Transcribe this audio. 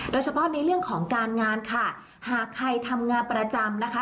โดยเฉพาะในเรื่องของการงานค่ะหากใครทำงานประจำนะคะ